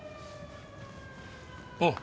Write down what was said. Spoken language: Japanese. おう。